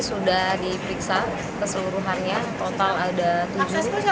sudah diperiksa keseluruhannya